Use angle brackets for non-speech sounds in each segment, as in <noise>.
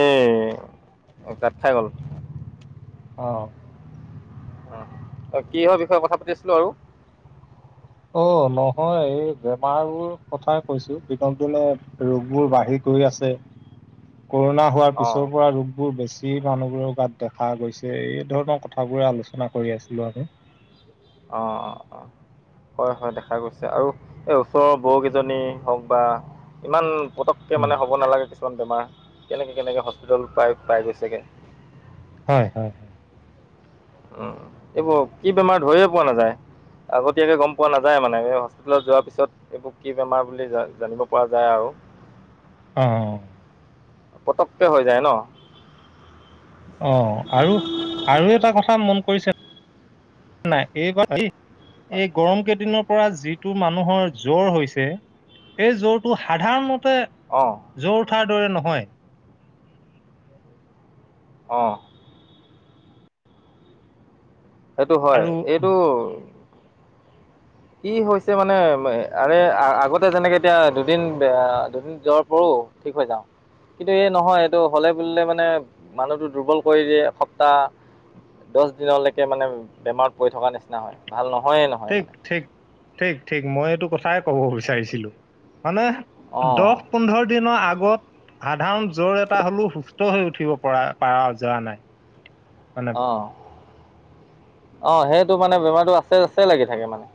এ কাত খাই গ'ল অ কি হয় বিষয়ে কথা পাতিছিলো আৰু অ নহয় এই বেমাৰবোৰ কথাই কৈছো দিনক দিনে ৰোগবোৰ বাঢ়ি কৰি আছে কৰোণা হোৱাৰ অঁ পিছৰ পৰা ৰোগ বোৰ বেছি মানুহবোৰৰ গাত দেখা গৈছে এই ধৰণৰ কথা বোৰে আলোচনা কৰি আছিলো আমি <inaudible> অ অ অ হয় হয় দেখা গৈছে আৰু এই ওচৰৰ বৌকেইজনী হওক বা ইমান পটককে উম, মানে হ'ব নালাগে কিছুমান বেমাৰ কেনেকে কেনেকে হস্পিটেলত পাই পাই গৈছেগৈ হয় হয় এইবোৰ কি বেমাৰ ধৰিয়ে পোৱা নাযায়। আগতীয়াকে গম পোৱা নাযায় মানে হস্পিতেলত যোৱাৰ পিছত এইবোৰ কি বেমাৰ বুলি জানিব পৰা যায় ।আৰু অ অ পতককে হৈ যায় ন অ আৰু আৰু এটা কথা মন কৰিছে নাই এই বা এই গৰম কেইদিনৰ পৰা যিটো মানুহৰ জ্বৰ হৈছে। সেই জ্বৰটো সাধাৰণতে অঁ জ্বৰ উঠাৰ দৰে নহয়। অঁ সেইটো হয় আৰু এইটো। কি হৈছে মানে আৰে আগতে যেনেকে এতিয়া দুদিন দুদিন যোৱাৰ পৰো। ঠিক হৈ যাওঁ। কিন্তু এই নহয় এইটো হলে বুলিলে মানে মানুহটো দুৰ্বল কৰি দিয়ে সপ্তাহ- দহ দিনলৈকে মানে বেমাৰত পৰি থকাৰ নিচিনা হয় ভাল নহয়ে নহয় ঠিক মানে- ঠিক ঠিক ঠিক মই এইটো কথাই কব বিচাৰিছিলো। মানে অঁ দহ পোন্ধৰ দিনৰ আগত- লগত সাধাৰণ জ্বৰ এটা হলেও সুস্থ হৈ উঠিব পৰা পৰা যোৱা নাই। মানে অ আহ সেইটো মানে বেমাৰটো আছে আছে লাগি থাকে মানে।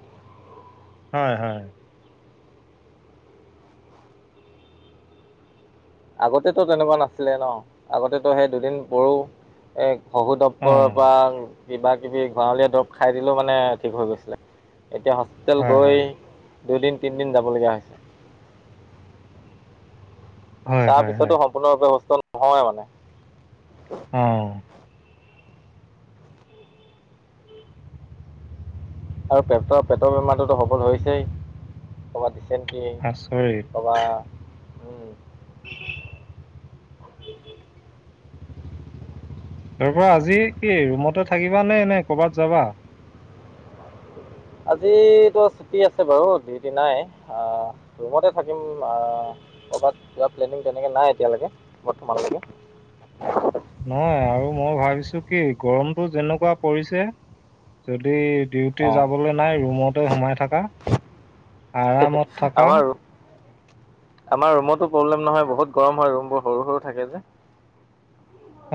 হয় হয়। আগতেতো তেনেকুৱা নাছিলে ন আগতেতো সেই দুদিন প়োৰো এ খহু অ দ্ৰৱৰ পৰা কিবা কিবি গাওলীয়া দৰৱ খাই দিলেও মানে ঠিক হৈ গৈছিলে। এতিয়া হস্পিতেেল হয় গৈ হয় দুদিন তিনদিন যাব লগীয়া হৈছে। হয় তাৰ হয় হয় পিছতো সম্পূৰ্ণৰূপে সুস্থ নহয় মানে। উ আৰু পেটৰ পেটৰ বেমাৰটোতো হব হৈছেই কবাৰ দিচেন্ট- টি আচৰিত কবা উম। <inaudible> তাৰ পৰা আজি কি ৰুমতে থাকিবা নে নে কৰ'বাত যাবা। <inaudible> আজিতো ছুটি আছে বাৰু ডিউটি নাই আহ ৰুমতে থাকিম ।আহ ক'বাত কোৱা প্লেনিং তেনেকে নাই এতিয়ালৈকে বৰ্তমানলৈকে। <inaudible> নহয় আৰু মই ভাবিছো কি গৰমটো যেনেকুৱা পৰিছে যদি ডিউটি অঁ যাবলৈ নাই ৰুমতে সোমাই থাকা। ডি হে আমাৰ- আমাৰ ৰুমতো প্ৰব্লেম নহয় বহুত গৰম হয় ৰুম বোৰ সৰু সৰু থাকে যে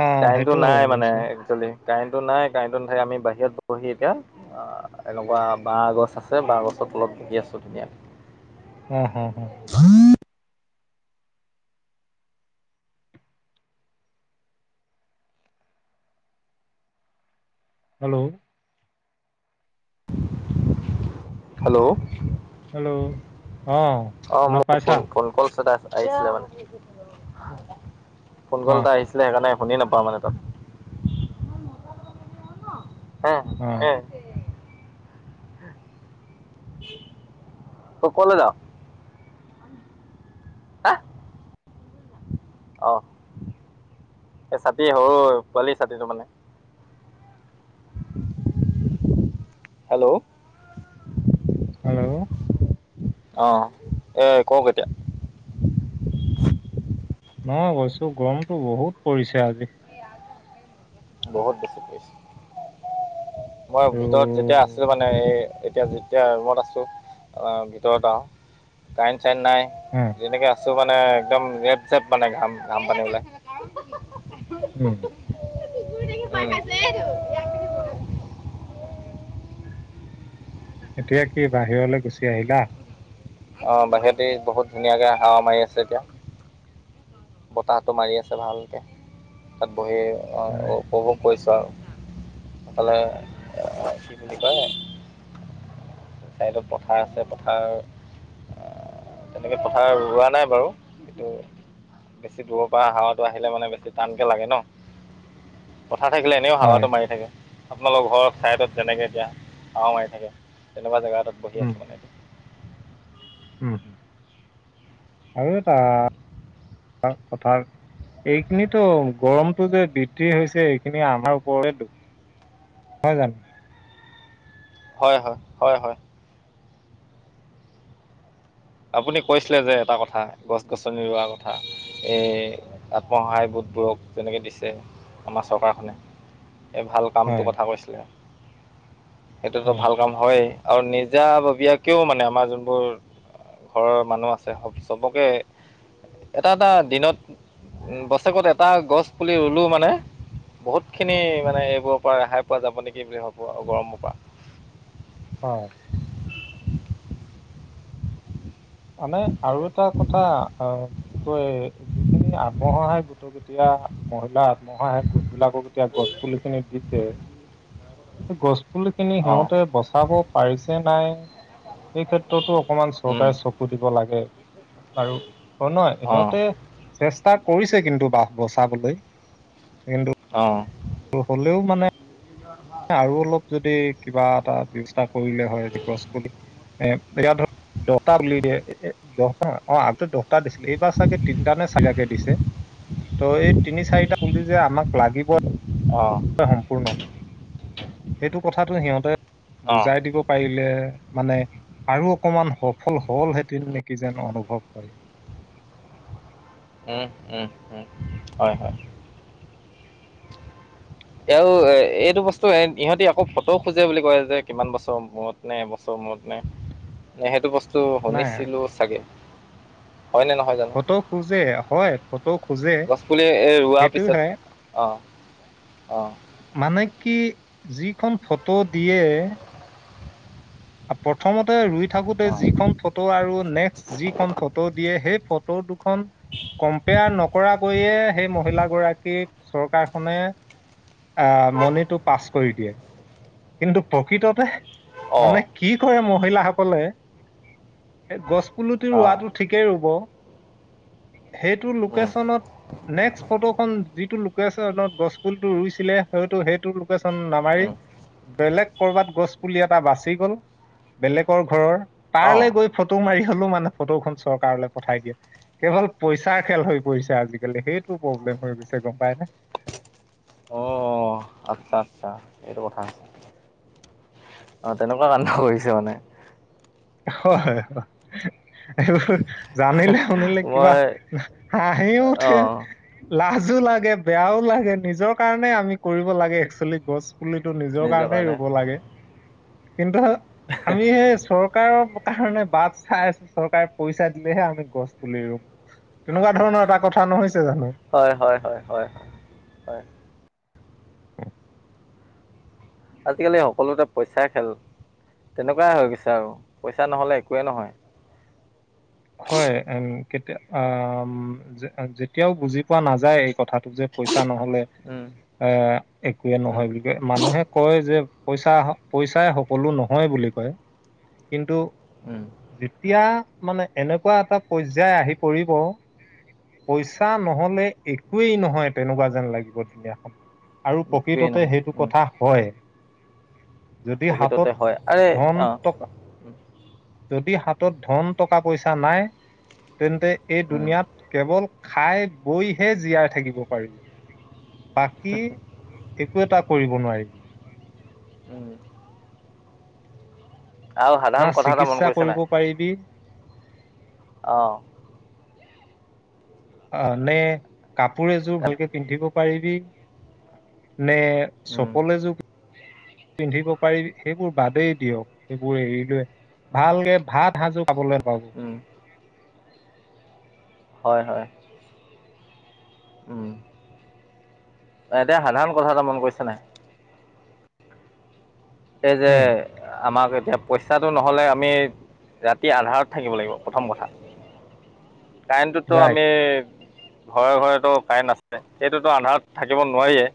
অ কাৰেণ্টটো সেইটো হৈ নাই মানে গৈছে একচুৱেলি কাৰেণ্টটো নাই কাৰেণ্টটো নাথাকে আমি বাহিৰত বহি এতিয়া। এনেকুৱা বাঁহগছ আছে বহগছৰ তলত বকি আছো ধুনীয়াকে হো হো হো হেল্ল' হেল্ল' হেল্ল' অ অ শুনা মোৰ ফ পাইছা ফোন কল আছে। আহিছিলে মানে ফোন কল অ এটা আহিছিলে সেইকাৰণে- শুনি নাপাওঁ মানে তাত- হে অ হে ত কলে যাওঁ - হে আহ এ ছাতি সৰু পোৱালি ছাতিটো মানে হেল্ল' উ আহ এ কক এতিয়া, নহ কৈছো গৰমতটো বহুত পৰিছে আজি। বহুত বেছি পৰিছে মই আৰু ভিতৰত যেতিয়া আছিলো মানে এই - এতিয়া যেতিয়া ৰুমত আছোঁ ভিতৰত আও কাৰেণ্ট চাইণ্ট নাই উম যেনেকৈ আছো। টো মানে একদম লেপজেপ মানে ঘাম ঘাম পানী ওলাই। উম। উম! এতিয়া কি বাহিৰলৈ গুচি আহিলা। অ বাহিৰতে বহুত ধুনীয়াকে হাৱা মাৰি আছে এতিয়া, বতাহটো মাৰি আছে ভালকে তাত বহি হয় উপভোগ কৰিছো। ত তালে কি বুলি কয়। ছাইডত পথাৰ আছে পথাৰ। তেনেকে পথা ৰোৱা নাই বাৰু কিন্তু। বেছি দূৰৰ পৰা হাৱাটো আহিলে মানে বেছি টানকে লাগে ন। <inaudible> কথা থাকিলে এনেও হয় হাৱাটো মাৰি থাকে আপোনালোকৰ ঘৰৰ ছাইডত তেনেকে এতিয়া হাৱা মাৰি থাকে। তেনেকুৱা জেগা এটাত বহি উম আছো মানে। উম সেই টা কঁঠাল। এইখিনিতো গৰমটো যে বৃদ্ধি হৈছে এইখিনি আমাৰ ওপৰৰে দুখ। হয় জানো। হয় হয় হয় হয়। আপুনি কৈছিলে যে এটা কথা গছ -গছনি ৰোৱা কথা এই আত্মসহায় গোট। বোৰক যেনেকৈ দিছে আমাৰ চৰকাৰখনে এই ভাল হয় কামটোৰ কথা কৈছিলে। সেইটোতো হয় ভাল কাম হয়য়েই আৰু নিজাববীয়াকেও মানে আমাৰ যোনবোৰ। ঘৰৰ মানুহ আছে স চবকে। এটা এটা দিনত উ বছেৰেকত এটা গছ পুলি ৰুলো মানে। বহুত খিনি মানে এইবোৰৰ পৰা ৰেহাই পোৱা যাব নেকি বুলি ভাবো গৰমৰ পৰা। হয়। মানে আৰু এটা কথা হয়। ত যিখিনি আত্মসহায়ক গোট এতিয়া মহিলা আত্মসহায়ক গোট। বিলাকক এতিয়া গছ পুলি খিনি দিছে গছ- পুলিখিনি অঁ সিহঁতে বচাব পাৰিছে নাই এই ক্ষেত্ৰত। অকমান উম চৰকাৰে চকু দিব লাগে আৰু অ নহয় অঁ ইহঁতে চে। কৰিছে কিন্তু বা বচাবলৈ কিন্তু। অঁ হ'লেও মানে আৰু অলপ যদি কিবা এটা ব্যৱস্থা কৰিলে হয় গছ পুলি এ। এয়া ধৰ দটা উল দিয়ে এ দটা অ আ দ। দিছিল এইবাৰ চাগে তিনিটা নে চাৰিতাকে দিছে। ত' এই তিনি চাৰিটা পুলি যে আমাক লাগিব। অঁ সম্পূৰ্ণ সেইটো কথাটো সিহঁতে অঁ বুজাই দিব পাৰিলে। মানে আৰু অকমান সফল হল হেতেন নেকি যেন অনুভৱ হয়। <inaudible> উম উম উম হয় হয়। আৰু এ এইটো বস্তু ইহঁতি আকৌ ফটোও খোজে বুলি কয় যে কিমান বছৰ মূৰত নে এবছৰ। নে সেইটো বস্তু নাই শুনিছিলো চাগে। হয়নে নহয় জানো ফটো খোজে হয় ফ- খোজে গছপুলি এই ৰোৱাৰ সেইটো পিছত হয় অঁ অঁ মানে। কি যিখন ফটো দিয়ে। প্ৰথমতে ৰুই থাকোতে যিখন ফটো আৰু নেক্সট যিখন ফটো দিয়ে সেই ফ। ফটো দুখন কম্পেয়াৰ ন কৰাকৈয়ে সেই মহিলা গৰাকীক চৰকাৰখনে আ মণিটো পাছ কৰি দিয়ে কিন্তু প্ৰকৃততে অঁ অঁ মানে কি কৰে মহিলাসকলে গছ পুলুটি অঁ ৰোৱাটো ঠিকেই ৰুব সেইটো উম লোকেশচনত নেক্সট ফটোখন যিটো লোকেশনত গছপুলিটো ৰুইছিলে হয়টো সেইটো লোকেশ্যন নামাৰি উম বেলেগ কৰবাত গছ পুলি এটা বাচি গল বেলেগৰ ঘৰৰ তা অঁ লে গৈ ফটো মাৰি হলো মানে ফটো খন চৰকাৰলৈ পঠাই দিয়ে। কেৱল পইচাৰ খেল হৈ পৰিছে আজিকালি সেইটো প্ৰব্লেম হৈ গৈছে। গম পায় নে? অ আচ্ছা আচ্ছা এইটো কথা। অ তেনেকুৱা কাণ্ড কৰিছে মানে। হয় এইবোৰ জানিলে শুনিলে কিবা মই হাঁহিও উঠে। অঁ লাজো লাগে, বেয়াও লাগে নিজৰ কাৰণে আমি কৰিব লাগে একচুৱেলি গছ পুলি। <unintelligible> নিজৰ কাৰণে ৰুব লাগে কিন্তু আমি সেই চৰ চৰকাৰৰ কাৰণে বাট চাই আছো চৰকাৰে পইচা দিলেহে আমি গছ পুলি ৰুম। তেনেকুৱা ধৰণৰ এটা কথা নহয় হয় হয় হয় হয় । উ <unintelligible> আজিকালি সকলোতে পইচাই খেল। তেনেকুৱাই হৈ গৈছে আৰু পইচা নহলে একোৱেই নহয়। হয় কেতিয়া যেতিয়াও বুজি পোৱা নাযায় এই কথাটো যে পইচা নহ'লে উম এ একোৱেই উম নহয় বুলি কয় মানুহে কয় যে পইচা-পইচাই সকলো নহয় । বুলি কয় কিন্তু উম যেতিয়া মানে এনেকুৱা এটা পৰ্যায় আহি পৰিব পইচা নহলে একোৱেই নহয় তেনেকুৱা যেন লাগিব দুনীয়াখনত। আৰু একোৱেই প্ৰকৃততে নহয় সেইটো উম কথা হয়। যদি হাতত প্ৰকৃততে হয় আৰে ধন অঁ টকা যদি <unintelligible> হাতত ধন টকা টকা পইচা নাই তেন্তে এই দুনীয়াত কেৱল খাই বৈহে জীয়াই থাকিব পাৰি। বাকী একো এটা কৰিব নোৱাৰিবি। আৰু না সাধাৰণ কথা এটা মন চিকিৎসা কৰিছে কৰিব পাৰিবি আহঁ । অ নে কাপোৰ এযোৰ ভালকে পিন্ধিব পাৰিবি। নে চপল এযোৰ পিন্ধিব পাৰি সেইবোৰ বাদেই দিয়ক সেইবোৰ এৰি লোৱে। ভালকে ভাত সাজু খাবলৈ পাব হয়-হয়। এতিয়া সাধাৰণ কথা এটা মন কৰিছে নাই? এই যে উম আমাক এতিয়া পইচাটো নহ'লে আমি ৰাতি আন্ধাৰত থাকিব লাগিব প্ৰথম কথা। কাৰেণ্টটোত ৰাইট, আমি ঘৰে-ঘৰেটো কাৰেণ্ট আছে এইটোতো আন্ধাৰত থাকিব নোৱাৰিয়ে ।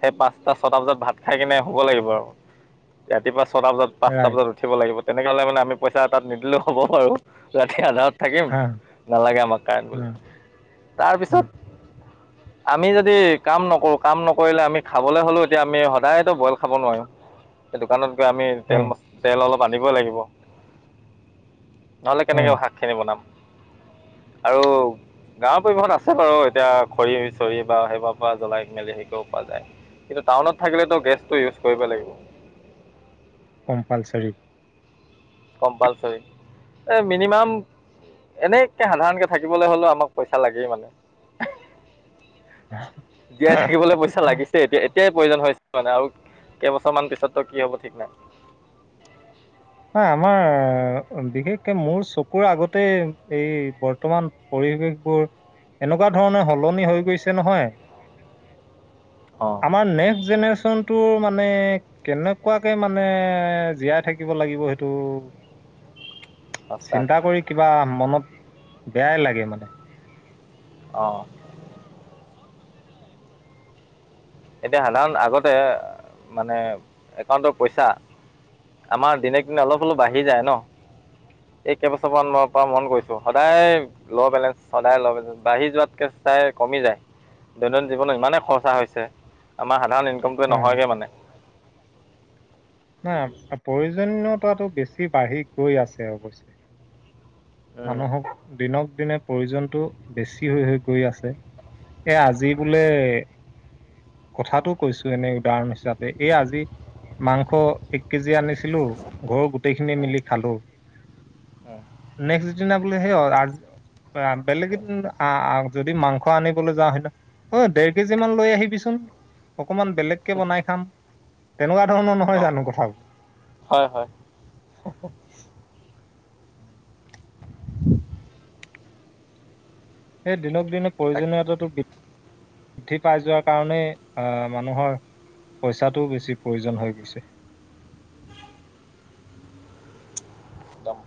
সেই পাঁচটা, ছয়টা বজাত ভাত খাই কেনে শুব লাগিব আৰু। ৰাতিপুৱা ছটা বজাত, পাঁচটা ৰাইট। বজাত উঠিব লাগিব। তেনেক হ'লে মানে আমি পইচা তাত নিদিলেও হ'ব পাৰোঁ ৰাতি আন্ধাৰত <unintelligible> থাকিম আ, নালাগে আমাক কাৰণ আ, <inaudible> আ, তাৰপিছত আমি যদি কাম নকৰো কাম নকৰিলে আমি খাবলৈ হলেও এতিয়া আমি সদায়তো বইল খাব নোৱাৰো <unintelligible> দোকানত গৈ আমি আ, তেল ম তেল অলপ আনিবই লাগিব। নহ'লে আ, কেনেকৈ শাকখিনি বনাম আৰু গাঁৱৰ পৰিৱেশত আছে বাৰু এতিয়া খৰি-চৰি বা সেইবাৰ পৰা জ্বলাই মেলি হেৰি কৰিব পোৱা যায়। কিন্তু টাউনত থাকিলেতো গেছটো ইউজ কৰিব লাগিব। কম্পালছাৰি । কম্পালচৰি এ মিনিমাম - এনেই যদি সাধাৰণকে থাকিবলৈ হলেও আমাক পইচা লাগেই মানে - জীয়াই থাকিবলৈ পইচা লাগিছে এতিয়া-এতিয়াই প্ৰয়োজন হয় । মানে আৰু কেইবছৰমান পিছততো কি হ'ব ঠিক নাই । হয় আমাৰ বিশেষকে মোৰ চকুৰ আগতে এই বৰ্তমান পৰি। পৰিৱেশবোৰ এনেকুৱা ধৰণে সলনি হৈ গৈছে নহয়। অঁ আমাৰ নেক্স জেনেৰে্চনটো মানে । মানে কেনেকুৱাকে মানে জীয়াই থাকিব লাগিব সেইটো। সঁচাত চিন্তা কৰি কিবা মনত বেয়াই লাগে মানে অঁ এতিয়া সাধাৰণ আগতে মানে একাউণ্টৰ পইচা- আমাৰ দিনে দিনে অলপ হলপ বাঢ়ি যায় ন। এই কেইবছৰমানানৰ পৰা মন কৰিছো সদায় ল বেলেঞ্চ সদায় ল বেলেঞ্চ বাঢ়ি যোৱাতকে- চাই কমি যায় দৈনন্দিন জীৱনত ইমানেই খৰচা হৈছে। আমাৰ সাধাৰণ ইনকমটো হা, নহয়গে মানে- না প্ৰয়োজনীয়তাটো বেছি বাঢ়ি গৈ আছে অৱশ্যে- মানুহক দিনক দিনে- প্ৰয়োজনতটো বেছি হৈ হৈ গৈ আছে এ আজি বোলে। কথাাতটো কৈছো এনে উদাহৰণ হিচাপে এই আজি। মাংস এক কেজি আনিছিলো ঘৰ গো- দেখনে মিলি খালো নেক্স দিনা বোলে সেই- বেলেগ যদি মাংস আনিবলৈ যাওঁ হয় অ দেৰ কেজি মান লৈ আহিবিচোন। অকমান বেলেগকে বনাই খাম তেনেকুৱা ধৰণৰ নহয় অঁ জানো কথাবোৰ হয় হয় সেই দিনক দিনে তাক প্ৰয়োজনীয়তাটো- বৃদ্ধি পাই যোৱাৰ কাৰণেই আহ মানুহৰ- পইচাটোও বেছি প্ৰয়োজন হৈ গৈছে। একদম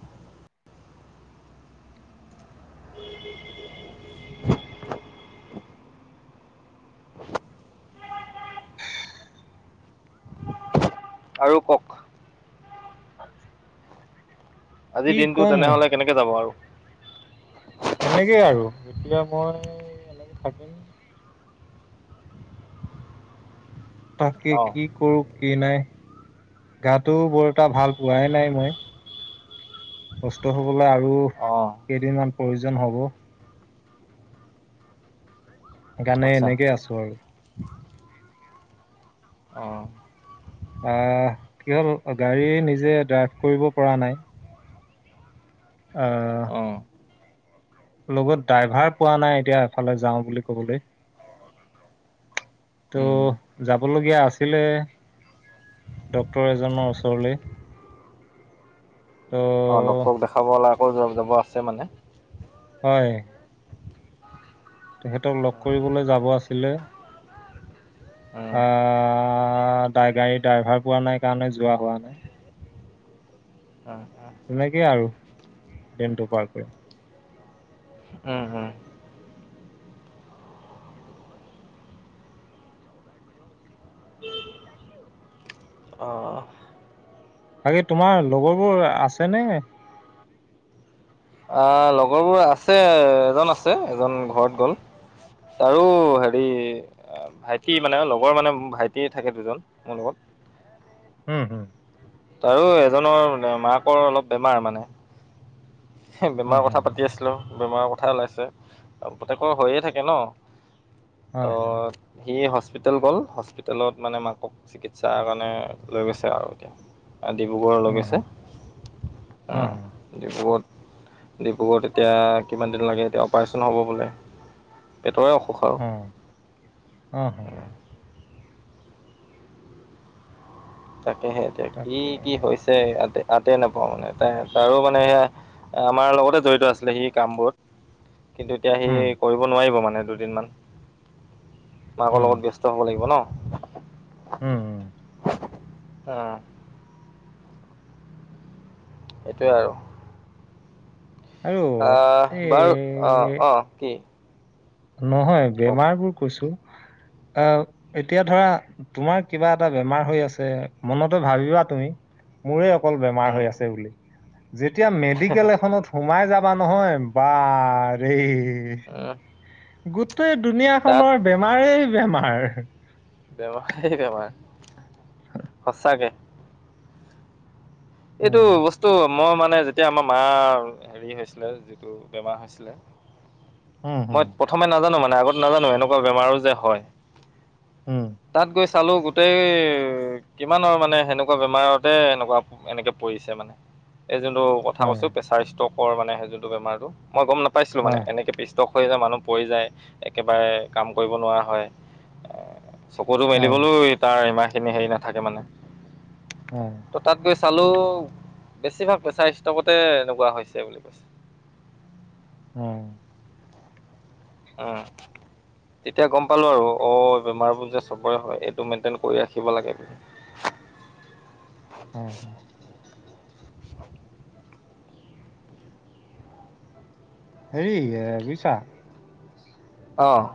আৰু কওক- আজিৰ কি দিনটো কম তেনেহলে কেনেকে যাব আৰু- এনেকেই আৰু এতিয়া মই এনেকে থাকিম। তাকে অঁ কি কৰোঁ কি নাই। গাটো বৰ এটা ভাল পোৱাই নাই মই- সুস্থ হবলৈ আৰু অঁ কেইদিনমান প্ৰয়োজন হ'ব। গানে আচ্ছা এনেকে আছো আৰু অঁ আহ কি হ'ল গাড়ী নিজে ড্ৰাইভ কৰিব পৰা নাই। আহ অঁ লগত ড্ৰাইভাৰ পোৱা নাই এতিয়া এফালে যাওঁ বুলি কবলৈ। ত' উম, যাবলগীয়া আছিলে। ড্ক্তৰ এজনৰ ওচৰলে- অঁ ডক্ক্তৰক দেখাব হ'লে আকৌ জব জাবৰ আছে মানে। হয় তেখেতক লগ কৰিবলৈ যাব আছিলে। অঁ আহ গাড়ী ড্ৰাইভাৰ পোৱা নাই কাৰণে যোৱা হোৱা নাই। অঁ তেনেকেই আৰু দিনটো পাৰ কৰিম। অঁ অঁ তাকে তোমাৰ লগৰবোৰ আছে নে? আহ', - লগৰবোৰ আছে এজন আছে এজন ঘৰত গ'ল। তাৰো হেৰি আ', ভাইটি, মানে লগৰ মানে ভাইটি থাকে দুজন মোৰ লগত উম', - হম', তাৰো এজনৰ মাকৰ অলপ বেমাৰ মানে হে', হুম, বেমাৰৰ হুম, কথা হুম, পাতি আছিলোঁ, বেমাৰৰ কথাই ওলাইছে, প্ৰত্যেকৰ হৈয়ে থাকে ন ত', হয়, হয়, - সি হস্পি হস্পিতেল গ'ল হস্পিতেলত মানে মাকক চিকিৎসাৰ কাৰণে লৈ গৈছে আৰু এতিয়া ডিব্ৰুগড় লৈ হুম, হুম, গৈছে, হুম, হুম, অ', ডিব্ৰুগড়ত ডিব্ৰুগড়ত এতিয়া কিমান দিন লাগে এতিয়া অপাৰেচন হ'ব বোলে। পেটৰ অসুখ আৰু আহ', - হ', - হ', তাকেহে, এতিয়া কি তাকে, কি হৈছে ইয়াতে! তাতে নাপাওঁ। মানে ত তাৰো মানে সেয়া আমাৰ লগতে জড়িত আছিলে সেই কামবোৰত কিন্তু এতিয়া সি হুম, কৰিব নোৱাৰিব মানে দুদিন মান মাকৰ হুম, লগত ব্যস্ত হব লাগিব ন উম', - উম', । অ', সেইটোৱে আৰু আৰু আহ', বাৰু অ', এই - অ', কি? নহয় কওক বেমাৰ বোৰ কৈছোঁ আহ', এতিয়া ধৰা তোমাৰ কিবা এটা বেমাৰ হৈ আছে, মনতে ভাবিবা তুমি মোৰ অকল বেমাৰ উম হৈ আছে বোলো, যেতিয়া মেডিকেল এখনত সোমাই যাম যাম নহয় বা ৰে আহ', গোটেই দুুনীয়াখনৰ বেমাৰেই বেমাৰ হা', বেমাৰেই বেমাৰ, সঁচাকে। এইটো উম বস্তু মই মানে যেতিয়া আমাৰ মাৰ হেৰি হৈছিলে, যিটো বেমাৰ হৈছিলে, মই প্ৰথমে নাজানো মানে আগত নাজানো এনেকুৱা বেমাৰো যে হয় তাত গৈ চালোঁ, গোটেই কিমানৰ মানে সেনেকুৱা বেমাৰতে এনেকুৱা, এনেকে পৰিছে মানে। এই যোনটো কথা কৈছোঁ প্ৰেছাৰ ষ্টকৰ মানে সেই যোনটো বেমাৰটো মই গম নাপাইছিলোঁ মানে এনেকে প্ৰেছাৰ ষ্ট ষ্ট'ক হৈ যায় মানুহ পৰি যায় একেবাৰে কাম কৰিব নোৱাৰা হয়, আহ', চকুতটো মেলিবলৈও তাৰ ইমানখিনি হেৰি নাথাকে মানে। উম', । ত' তাত গৈ চালোঊ বেছিভাগ প্ৰেছাৰ ষ্টকতে এনেকুৱা হৈছে বুলি কৈছে। আহ', উম', । তেতিয়া গম পালোঁ আৰু অ', বেমাৰবোৰ যে সবৰে হয়, এইটো মেইনটেইন কৰি ৰাখিব লাগে। <inaudible> হয়', -হয়', । <inaudible> হেৰি, এ বুইছা। অঁ',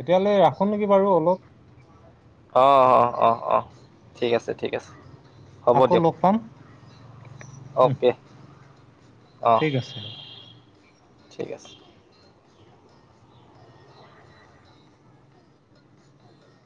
তেতিয়াহলে ৰাখোঁ নেকি বাৰু অলপ? অ', - অ', - অ', - অ', ঠিক আছে, ঠিক আছে। হ'ব আকৌ দিয়ক। লগ পাম। উম, অ'কে। অঁ ঠিক আছে বাৰু ঠিক আছে।